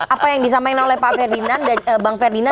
apa yang disampaikan oleh pak ferdinand bang ferdinand